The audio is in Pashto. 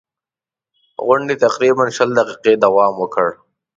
غونډې تقریباً شل دقیقې دوام وکړ.